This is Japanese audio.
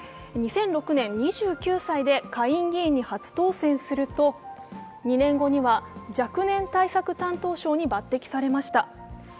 ２００６年２９歳で下院議員に初当選すると２年後には若年対策担当相に抜てきされました。